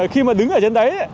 khi mà đứng ở trên đấy